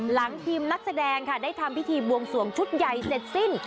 หลังทีมนักแสดงค่ะได้ทำพิธีบวงสวงชุดใหญ่เสร็จสิ้น